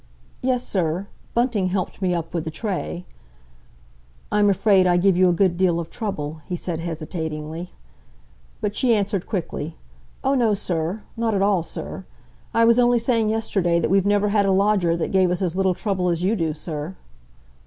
"Yes, sir. Bunting helped me up with the tray." "I'm afraid I give you a good deal of trouble," he said hesitatingly. But she answered quickly, "Oh, no, sir! Not at all, sir! I was only saying yesterday that we've never had a lodger that gave us as little trouble as you do, sir."